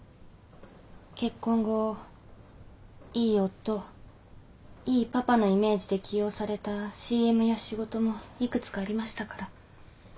結婚後いい夫いいパパのイメージで起用されたＣＭや仕事も幾つかありましたから。